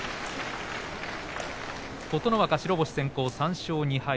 琴ノ若白星先行３勝２敗。